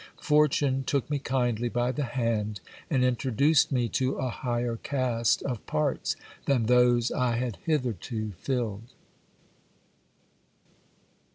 Fortune took me kindly by the hand, and intro duced me to a higher cast of parts than those I had hitherto filled.